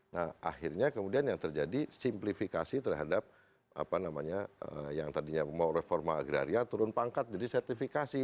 nah akhirnya kemudian yang terjadi simplifikasi terhadap apa namanya yang tadinya mau reforma agraria turun pangkat jadi sertifikasi